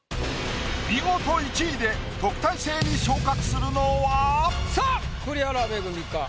見事１位で特待生に昇格するのは⁉さあ栗原恵か？